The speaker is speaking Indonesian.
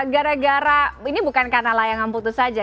gara gara ini bukan karena layangan putus saja